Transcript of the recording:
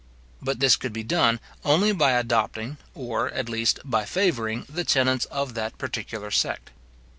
But this could be done only by adopting, or, at least, by favouring the tenets of that particular sect.